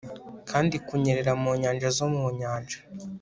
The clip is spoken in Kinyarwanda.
kandi kunyerera mu nyanja zo mu nyanja